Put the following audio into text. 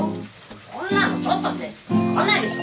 そんなのちょっとしか変わらないでしょ！